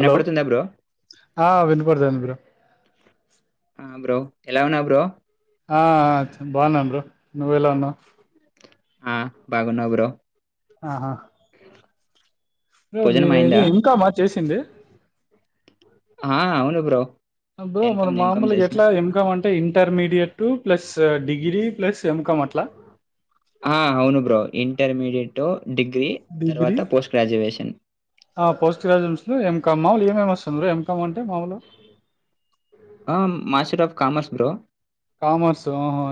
Hello bro ఆ వినపడతాంది bro ఆ బ్రో ఎలా ఉన్నావ్ బ్రో ఆ ఆ బాగున్నాము బ్రో నువ్వెలా ఉన్నావ్ ఆ బాగున్నా బ్రో ఆహా బ్రో భోజనం మిరేది అయిందా ఇంకా మ చేసింది ఆ అవును బ్రో బ్రో మరి ఎంకమ్ ఎంకమ్ మామూలు చేసిన ఎట్లా ఏం కమ్ అంట intermediate plus degree plus MCom అట్లా ఆ అవును bro intermediate to degree post ఆ గ్రాజ్యుషన్ ఏం ఇంకా మాములు ఏమేమి వస్తుంది ఎం కామ్ అంటే మాములు ఆ master of commerce bro commerce ఉహు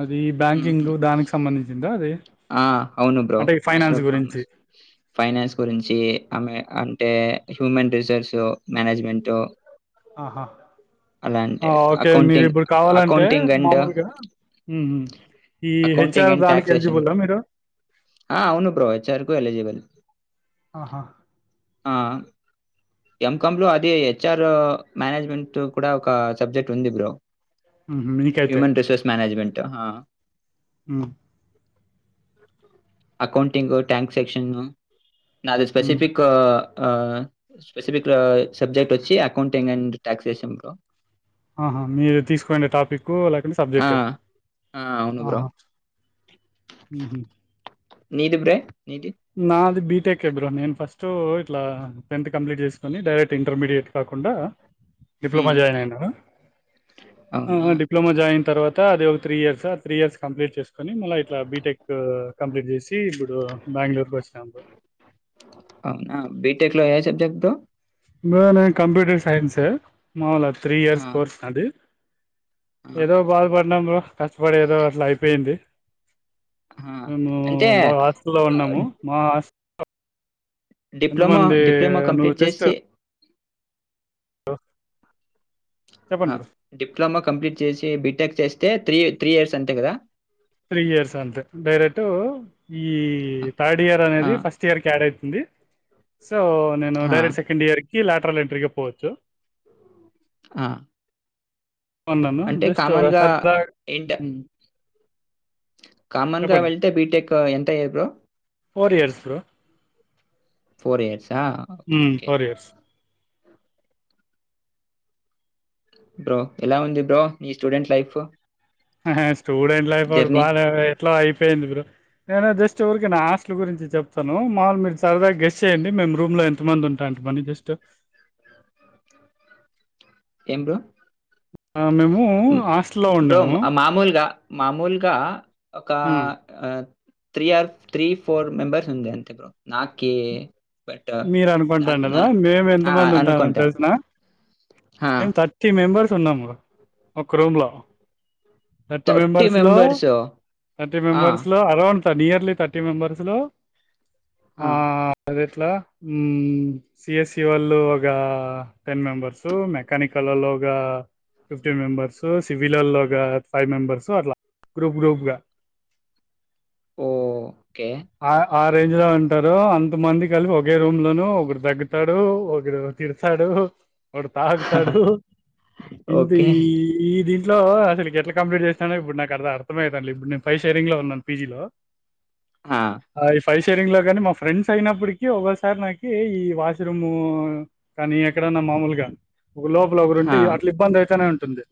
ఆ అవును బ్రో అంటే ఈ మాస్టర్ ఫైనాన్స్ ఆఫ్ గురించి కామర్స్ ఫైనాన్స్ గురించి ఆమె టె హ్యూమన్ రిసోర్సు మేనేజ్మెంట్ ఆహా అలా అంటే ఓకే మీరు అకౌంటింగ్ ఇప్పుడు కావాలంటే అకౌంటింగ్ అండ్ మామూలుగా ఉమ్ ఉమ్. ఈ అకౌంటింగ్ హెచ్ఆర్ అండ్ దానికి టక్సేషన్ ఎలిజిబుల్ బ్రో మీరు అవును బ్రో హెచ్చర్కు ఎలిజిబల్ ఆహా ఎంకామ్ లో అది హెచ్ఆర్ మేనేజ్మెంట్ కూడా ఒక సబ్జెక్ట్ ఉంది బ్రో ఉహు మీకైతే హ్యూమన్ రిసోర్స్ మేనేజ్మెంట్ ఆ ఉమ్ అకౌంటింగ్ ట్యాంక్ సెక్షన్ ను నాది ఉ స్పెసిఫిక్ ఆ స్పెసిఫిక్ సబ్జెక్ట్ వచ్చి అకౌంటింగ్ అండ్ టాక్సేషన్ ఆహా మీరు తీసుకునే టాపిక్ ఆ! సబ్జెక్ట్ ఆ! అవును బ్రో. ఆహా ఉహు నీదిబ్రే నాది బి టెక్ ఏ బ్రో నేను ఫస్ట్ ఇట్లా టెన్త్ కంప్లీట్ చేసుకుని డైరెక్ట్ ఇంటర్మీడియట్ కాకుండా డిప్లమా హ్మ్. జాయిన్ అయినా అవునా? డిప్లమా జాయిన్ తర్వాత అది ఒక త్రీ ఇయర్స్ ఆ త్రీ ఇయర్స్ కంప్లీట్ చేసుకొని మళ్ళీ ఇట్లా బీటెక్ కంప్లీట్ చేసి ఇప్పుడు బెంగళూరుకి వచ్చినాను బ్రో అవునా బిటెక్ లో ఏ సబ్జెక్ట్ బ్రో బ్రో నేను కంప్యూటర్ సైన్స్ మా త్రీ ఆ! ఇయర్స్ కోర్సు అది ఆ! ఏదో బాదు బడి ఉన్నాం బ్రో కష్టపడి ఏదో అట్లా అయిపోయింది ఆ! మేము అంటే బాగా హస్టల్లో ఆహ్, ఉన్నాము మా హాస్ట్ డిప్లొమా డిప్లొమా కంప్లీట్ చేసి ఆహ డిప్లమా కంప్లీట్ చేసి బీటెక్ చేస్తే త్రీ త్రీ ఇయర్స్ అంతే కదా త్రీ ఇయర్స్ అంతే డైరెక్ట్ ఈ ఆ! తాడ్ ఆ! ఇయర్నేది ఫస్ట్ ఇయర్ క ఎడైది ఎందిసే సో ఆ! నేనుడరెక్ట్ సెకండ్ ఇయర్కి కీ ల్యాటర్ ఎంట్రీగా పోవచ్చు ఆ అన్నాను అంటే జస్ట్ కామన్‌గా సర్దా ఏంట కామన్ గా వెళ్తే బీటెక్ ఎంత అయ్యేదో ఫోర్ ఇయర్స్ స్రో ఫోర్ ఇయర్స్ ఆ okay okay four years bro ఎలా ఉంది బ్రో నీ స్టూడెంట్ లైఫ్ ఆహ స్టూడెంట్ లైఫ్ కూడా జర్నీ? బాగా ఎట్లా అయిపోయింది బ్రో నేను జస్ట్ ఉరికేనా హాస్టల్ గురించి చెప్తాను మాల్ మిర్చి సరదా గెస్ట్ హ్మ్. చేయండి మేము రూమ్ లో ఎంత మంది అంట మంది జస్ట్ ఎం బ్రో మేము హ్మ్. హాస్టల్లో బ్రో ఉండము మామూలుగా, మామూలుగా ఒక ఆ three or three four members ఉంది అంతే బ్రో నాకే బట్ మీరు నాకు అనుకుంటండరా నా కదా మేము ఎంత ఆ! మంది ఉంటాము అనుకుంటా. తెసిన ఆ! ఏం థర్టీ మెంబర్స్ ఉన్నాము ఒక రూమ్ లో థర్టీ మెంబర్స్ లో థర్టీ ఆ! మెంబర్స్ లో అరౌండ్ త నియర్లీ థర్టీ మెంబర్స్ లో ఆ అదే పట్లా సిఎస్ఈ వాళ్ళు ఒక టెన్ మెంబెర్స్ మెకానికల్ లో ఒక ఫిఫ్టీన్ మెంబర్స్ సివిల్ ఒక ఫైవ్ మెంబెర్స్ అట్లా గ్రూప్ గ్రూప్గా ఓ కే ఆ రేంజ్ లో ఉంటారు అంతమంది కలిపి ఒక్ ఒకే రూమ్ లోను ఒకడు దగ్గుతాడు ఒకడు తిడతాడు ఒకడు తాగుతాడు ఇింద ఓకే. ఈ ఈ ద ఇట్ లో అసలు ఎట్లా కంప్లీట్ చేస్తున్నానో ఇప్పుడు నాకు అర్ అర్థమవుతుందిం ఇప్పు నేను పై షేరింగ్ లో ఉన్నాను పీజీ లో హా పై షేరింగ్ లో గానీ మా ఫ్రెండ్స్ అయినప్పడ్ ఒకసారి నాకి ఈ వాష్రూమ్ కానీ ఎక్కడన్నా మామూలుగా ఒక లోపల ఒకరుంటే ఆ! అలా ఇబ్బంది అయితేై నా ఉం తుంది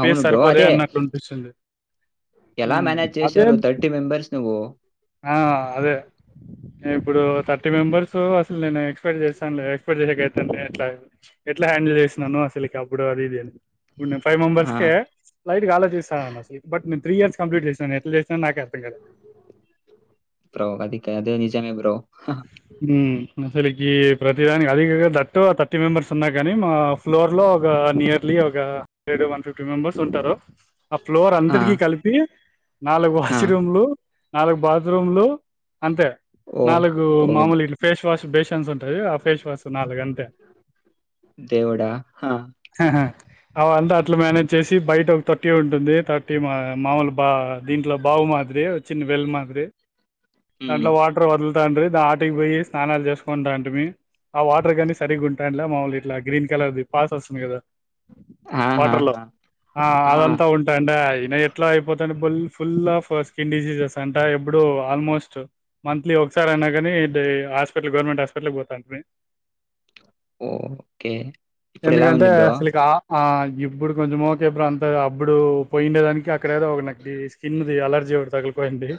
అవును బ్రో అదే ఎలా ఉమ్, మేనేజ్ అదే చేశారు థర్టీ మెంబర్స్ నువ్వు ఆ అదే ఇంగ ఇప్పుడు థర్టీ మెంబర్స్ అసలు నేను ఎక్ ఎక్సపెక్ట్ చేశాం లే ఎక్స్ పెక్ట్ చేసే అ ఎట్లా ఎట్లా హ్యాండిల్ చేసి నాను అసలుకి అప్పుడు అది ఇదిని ఇప్పుడు నేను ఫైవ్ ఆ! మెంబర్స్ కే లైట్గా ఆలోచి స్తానన బట్ నే న్ త్రి ఇయర్స్ కంప్లీట్ చేసినా ఎట్లా చేస్ ప్రవ కది కయా ఆది నిజమే బ్రో హమ్ హు మ్ సరి ఈ ప్రతిదానికి అధి కగా దట్ టు థర్టీ మెంబెర్స్ ఉన్నా కానీ మా ఫ్లోర్ లో ఒక నియర్లీ ఒక ఏడు వన్ ఫిఫ్టీ మెంబెర్స్ ఉంటారు ఆ ఫ్లోర్ ఆ! అందరకి కలిపి నాలుగు ఆ! వాష్ రూమ్లు నాలుగు బాత్రూమ్లు అంతే ఓహ్! నాలుగు ఓహ్! మామూలు ఇట్ల ఫేస్ వా వాష్ బేసన్స్ ఉంటాయి ఆ ఫేస్ వాష్ నాలుగు అంతే దేవుడా! ఆ! హ హ అవి అంత అట్లా మేనేజ్ చేస్ బయట ఒక థర్టీ ఉంటుంది థర్టీ మా మాముూలు బా దీంట్లో బావు మాదిరి చిన్న వెల్ మాదిరి హ్మ్. దాంట్లో వాటర్ వదుల్ తాండ్రి దా ఆటకి పోయి స్నానాలు చేసుకుంటా టి మీ ఆ వాటర్ కని సరిగ్ ఉంటాంట్లా మామములు ఇట్లా గ్రీన్ కలర్ది పాస్ వస్తుంది కదా వాటర్ లో ఆహాహా! ఆ అదంతా ఉంటాండే అయిన ఎట్లో అయిపోతాంది full full of skin diseases అంట ఎబ్బుడు ఆల్మోస్ట్ మంత్లీ ఒ సార్ అయినా కానీ హాస్పిటల్ గవర్నమెంట్ హాస్పిటల్కి పోతాంటి మీ ఓ కే ఇప్పుడు ఎలా ఎందుకంటే ఉంది బ్రో అసలుకి ఆ ఆ ఇప్పుడు కొంచం ఓకే బ్రో అంత అప్పుడు పోయిండేదానికి అక్కడఎదో నాకి ఒక స్కిన్ది అలర్జీ ఒకటి తగులుకునింది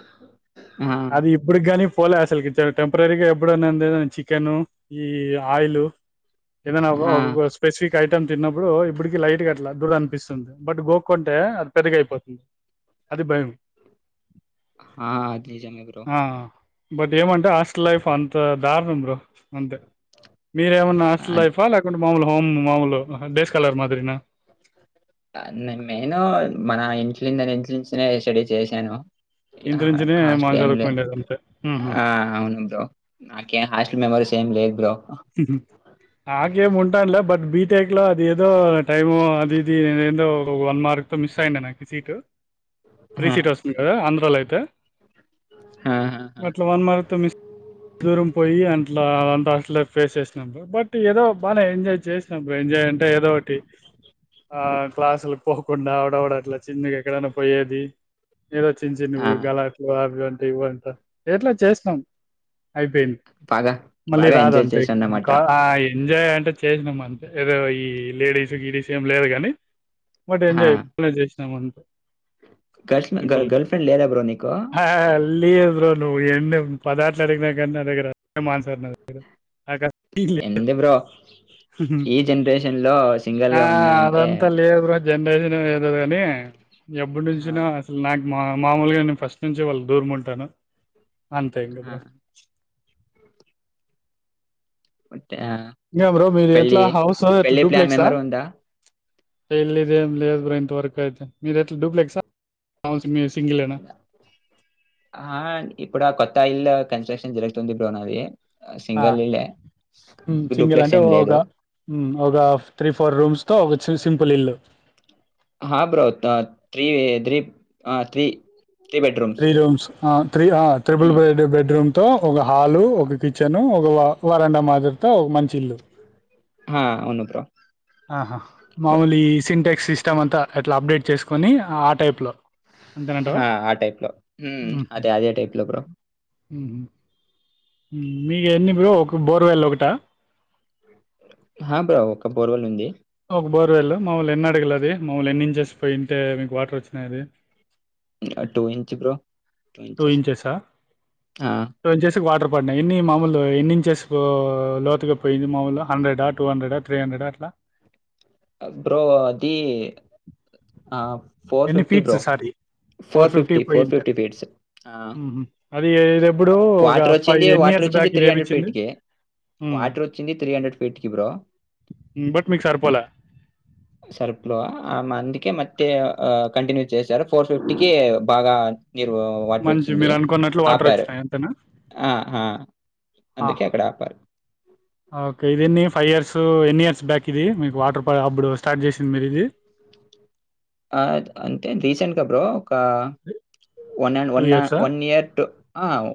ఆ! అది ఇప్పుడుకి కానీ పోలే అసలుకి ఇచ్చా టెంపరరీ గా ఎప్పుడున్నా చికెను ఈ ఆయిల్ ఏదనా ఒక ఆ! ఓ స్పేస్ ఐటమ్ తిన్నప్పుడు ఇప్పుడుకి లైట్ గా అట్లా దురద అనిపిస్తుంది బట్ గోకుంటే అది పెద్దగాయిపోతుంది అది భయం హా అది జామే బ్రో ఆ బట్ ఏమంటే హాస్టల్ లైఫ్ అంత దారుణం బ్రో అంతే మీరేమన్నా హాస్టల్ అద్ లైఫా ల్యాకున్ [unintelligible] మాములు ఆహా డేస్ కలర్ మాదిరినా ఆ నేన్ నేను మన ఇ [unintelligible] ఇంట్ నుంచినే స్టడీ చేసాను ఇంటి హా నుంచినే మనం హాస్లే ఎం లే చదువుకుండేది అంతే. ఆ హుహు. అవున్ బ్రో నాకే హా మెమరీస్ ఏం లేద్ బ్రో ఆకేము ఆ! ఉంటన్ల్య బట్ బీటెక్ లో అది ఏదో టైము ఇది ఏందో ఒక వన్ మార్క్ తో మిస్ అయిండ్య నాకు సీటు త్రీ ఆ! సీట్ హర్స్ద అంద లైతే ఆ! అట్ల వన్ మంత మిస్ దూరం పోయి అంట్లా అంతా అసలే ఫేస్ చేసినాం బ్రో బట్ ఏదో బానే ఎంజాయ్ చేసినాం బ్రో ఎంజాయ్ అంటే ఏదో ఒకటి ఆ క్లాస్ల్క్ పోకుండా ఆవడవడ అట్లా చిన్నగా ఎక్కడన్నా పోయేది ఏవో చిన్ ఆ! చిన్నగ గలాట్లు అవి ఇవ్వంట ఎట్లా చేస్నామ్ అయిపోయింది బాగా మళ్ళీ బాగా రాధ ఎంజాయ్ ఒక చేశానన్నమాట. ఎంజాయ్ అంటే చేసినా మన్ ఏదో ఈ లేడీస్ గిడిస్ ఏం లేదు గానీ బట్ ఎంజాయ్ బానే చేసినమన్ గాల్ ఫె గా గర్ల్ ఫ్రెండ్ లేదా బ్రో నీకో మళ్ళీ ఎమ్ బ్రో నువ్వు ఎన్ని పదట్లు అడిగినా కానీ నా దగ్గర సేమ్ మాన్సర్ నా దగ్గర ఎందు బ్రో ఈ జనరేషన్ లో సింగిల్ ఆ గా ఉన్నా అంటే అదంతా లేదు బ్రో జనరేషన్ ఏదో గాని ఎప్పుడు ఆ! నుంచిన అసలు నాకు మా మామూలుగా నేను ఫస్ట్ నుంచి వాళ్ళు దూరం ఉంటాను అంతే ఇంగా ఆ! బ్రో బట్ ఆహ్, ఎ బ్రో మీరు పెళ్లి ఎట్లా హౌస్ ఎలా పెళ్లి ప్లాన్ డూప్లెక్స్ ఆ ఏమైనా ఉందా? ఇల్ ఇదే లే బబ్రో ఇంత వరకు యితే మీది ఎట్లా డూప్లెక్సా అవును ఆ ఇప్పుడు కొత్త ఇల్లు కన్స్ట్రక్షన్ జరుగుతుంది బ్రో నాది ఆ సింగిల్ ఇల్లే. హ్మ్మ్ సింగిల్ డూప్లెక్స్ అంటే ఏం ఒక ఒక లేదు. ఒక త్రీ ఫోర్ రూమ్స్ తో ఒక సింపుల్ ఇల్లు హ బ్రోత్ త్రీ త్రీ ఆ త్రీ త్రీ బెడ్ రూమ్స్ ఆ త్రి త్రిపుుల్ బెడ్రూమ్ తో ఒక హాలు ఒక కిచెన్ ఒక వర వరండ మాదిరీ ఇంకా ఒక మంచి ఇల్లు హా అవును బ్రో ఆహా బ మాముూలి సింటెక్ సిస్టమ్ అంతా అట్లా అప్డేట్ చేసుకొని ఆ టైప్లో ఆ ఆ టైప్ లో అదే అదే టైప్ లో లే బ్రో హు హ్మ్మ్ మీగ ఎన్ని బ్రో ఒక బోర్వెల్ ఒకట ఆ బ్రో ఒక బోర్వల్ ఉంది ఒక బోర్వేల్ మామముల్లు ఎన్ని అడగలది మామముల్ని ఎన్ని ఇంచేసి పోయింటే మీకు వాటర్ వచ్చినాయిది two inch bro two inches two inches water పడినాయి ఎన్ని మామములు ఎన్నించేసి లోతుగా పోయింది మాములు హండ్రెడా టూ హండ్రెడా త్రీ హండ్రెడా అట్లా బ్రో అది ఆ ఫోర్ ఎన్ని fifty bro feets sorry four fifty four fifty feets ఉహు అది ఇదెప్పుడు ఒక వాటర్ ఫైవ్ వచ్చింది ఎన్ని వాటర్ ఇయర్స్ వచ్చింది బ్యాక్ ఇది త్రీ హండ్రెడ్ ఏపిచ్చింది ఫీట్ కి ఉమ్ వాటర్ వచ్చింది త్రీ హండ్రెడ్ ఫీట్ కి బ్రో బట్ మీకు సరిపోలే సర్ప్ లో ఆ మంది మట్టి కంటిన్యూ చేశారు ఫోర్ ఫిఫ్టీ కే బాగా మీరు వాటర్ మంచి వచ్చింది మీరు అనుకున్నట్లు వాటర్ ఆపారు వచ్చినాయి అంతేనా ఆ ఆ అందుకే ఆహా అక్కడ ఆపారు ఓకే ఇది ఎన్ని ఫైవ్ ఇయర్స్ ఎన్ని ఇయర్స్ బ్యాక్ ఇది మీకు వాటర్ ప అప్పుడు స్టార్ట్ చేసింది మీరు ఇది ఆ అంతే రీసెంట్గా బ్రో ఒక వన్డ్ టూ వన్ ఇయర్సా one year to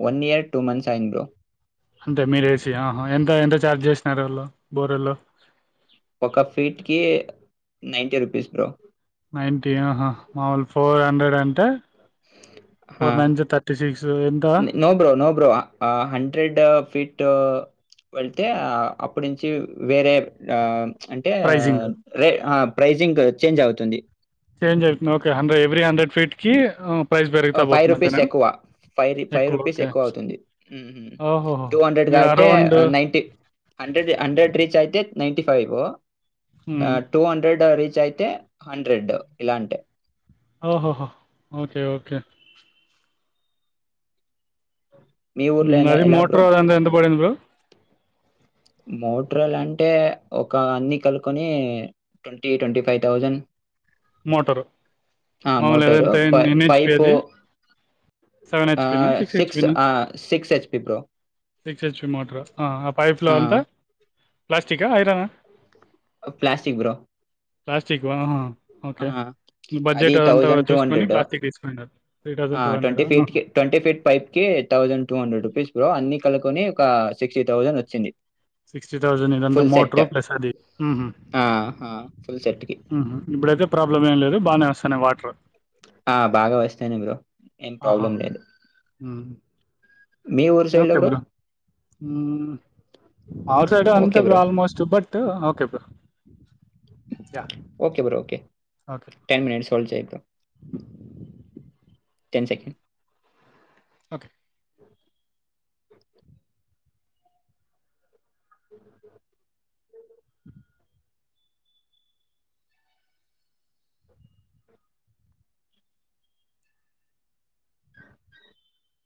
one year two months అయింది బ్రో అంటే మీరేసి ఆహా ఎంత ఎంత చఛార్జ్ చేస్త నర్రలో బొర్రల్లో ఒక ఫీట్ కి నైన్టీ రూపీస్ బ్రో మ [unintelligible] మామూలు ఫోర్ హండ్రెడ్ గంట ఎంత no bro no bro hundred feet వెళ్తే ఆ అప్పటి నుంచి వేరే ఆ అంటే ప్రైజింగ్ రే ఆ ప్రైజింగ్ చేంజ్ అవుతుంది చేంజవుతున్నవ్ ఓకే హండ్రె ఎవీ హండ్రెడ్ ఫీట్ కీ ఫైవ్ రూపీస్ ఎక్కువ ఫైవ్ రు ఫైవ్ రూపీస్ ఎక్కువ అవుతుంది ఓహోహో టూ హండ్రెడ్ గా మీరు అయితే around ninety hundred hundred reach అయితే నైన్టీ ఫైవూ హ్మ్ టూ హండ్రెడ్ రి అయితే హండ్రెడ్ ఇలాంటే ఓహోహ ఓకే ఓకే మీ ఊర్లో ఎలా అది ఎలా బ్రో? మోటర్ అదంత ఎంత పడింది బ్రో మోట్రాలు అంటే ఒక అన్ని కలుకొని twenty twenty five thousand motor మామూలు గా మోటారు. ప అదెంతైంది పైపు ఎన్నించిపోయేది సెవెన్ హెచ్పినా ఆహ్, సిక్స్ హెచ్పినా ఆహ్, HP bro. Six HP motor ఆ పైప్లో ఆ! అంతా ప్లాస్టికా ఐరనా ప్లాస్టిక్ బ్రో. ప్లాస్టికు ఆ ఓకే. అది బడ్జెట్ అదంతా థౌజండ్ టూ చూసుకొని హండ్రెడు ప్లాస్టిక్ తీసుకున్నారు. ఆ ట్వంటీ ఆహా! ఫీట్ కి ట్వంటీ ఫీట్ పైప్ కి thousand two hundred rupees bro అన్నీ కలిపి కొని ఒక సిక్స్టీ థౌజండ్ వచ్చింది సిక్స్టీ థౌజండ్ ఇదంతా ఫుల్ సెట్. మోటరు ప్లస్ అది ఆ! ఆ! ఫుల్ సెట్‌కి. ఇప్పుడైతే ప్రాబ్లం ఏం లేదు బానే వస్తన్నాయి వాటర్ ఆ బాగా వస్తన్నయ్ బ్రో ఏం ఆహా ప్రాబ్లమ్ లేదు. మీ ఊరు సైడ్‌లో ఓకే బ్రో ఆ ఓకే సైడ్అంతే బ్రో. Almost but okay bro yeah! Okay bro okay okay. Ten minutes చల్చయయిపో [unintelligible] ten second okay